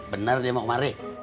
bener dia mau kemari